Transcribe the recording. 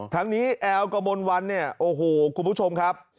ทั้งนี้แอลกมลวันเนี่ยโอ้โหคุณผู้ชมครับ